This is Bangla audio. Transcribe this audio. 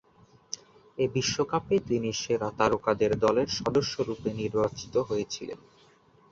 এ বিশ্বকাপে তিনি সেরা তারকাদের দলের সদস্যরূপে নির্বাচিত হয়েছিলেন।